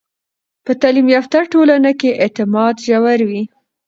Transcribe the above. په تعلیم یافته ټولنو کې اعتماد ژور وي.